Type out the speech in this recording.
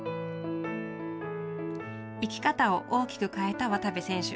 生き方を大きく変えた渡部選手。